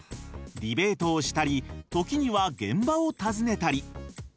ディベートをしたり時には現場を訪ねたり。